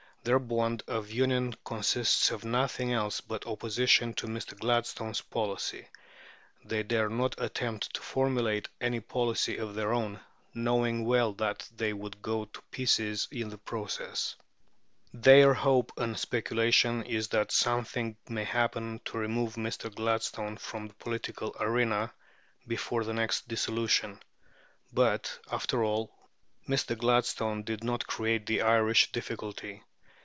Their bond of union consists of nothing else but opposition to Mr. Gladstone's policy. They dare not attempt to formulate any policy of their own, knowing well that they would go to pieces in the process. Their hope and speculation is that something may happen to remove Mr. Gladstone from the political arena before the next dissolution. But, after all, Mr. Gladstone did not create the Irish difficulty.